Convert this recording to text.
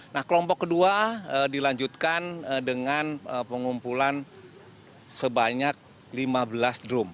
nah kelompok kedua dilanjutkan dengan pengumpulan sebanyak lima belas drum